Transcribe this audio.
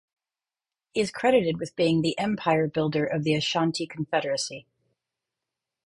He is credited with being the "empire builder" of the Ashanti Confederacy.